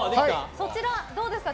そちらどうですか？